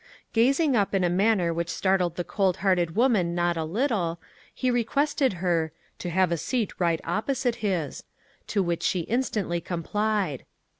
Gazing up in a manner which startled the cold hearted woman not a little, he requested her "to have a seat right opposite his," to which she instantly complied.